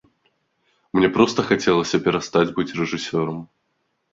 Мне проста хацелася перастаць быць рэжысёрам.